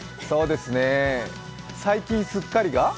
そうです、最近すっかりが？